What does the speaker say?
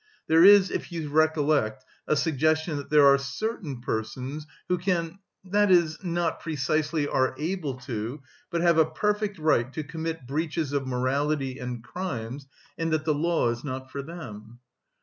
There is, if you recollect, a suggestion that there are certain persons who can... that is, not precisely are able to, but have a perfect right to commit breaches of morality and crimes, and that the law is not for them."